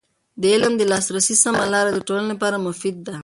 د علم د لاسرسي سمه لاره د ټولنې لپاره مفید ده.